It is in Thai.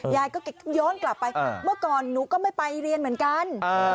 ยายก็ย้อนกลับไปเมื่อก่อนหนูก็ไม่ไปเรียนเหมือนกัน